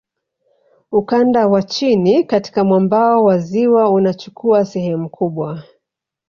Ukanda wa chini katika mwambao wa ziwa unachukua sehemu kubwa